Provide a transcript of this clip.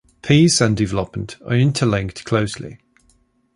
Peace and development are interlinked closely.